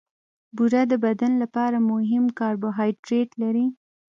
بوره د بدن لپاره مهم کاربوهایډریټ لري.